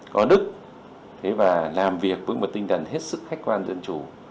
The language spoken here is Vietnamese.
có đức và làm việc với một tinh thần hết sức khách quan dân chủ